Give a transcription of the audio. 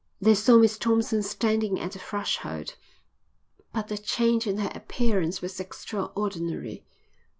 They saw Miss Thompson standing at the threshold. But the change in her appearance was extraordinary.